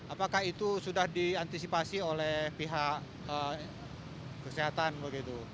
apakah itu sudah diantisipasi oleh pihak kesehatan begitu